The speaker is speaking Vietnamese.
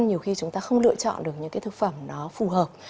nhiều khi chúng ta không lựa chọn được những cái thực phẩm nó phù hợp